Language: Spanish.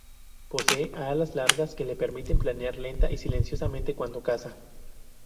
Posee alas largas que le permiten planear lenta y silenciosamente cuando caza.